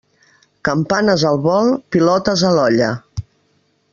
Campanes al vol, pilotes a l'olla.